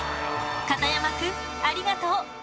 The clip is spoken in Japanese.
片山くんありがとう！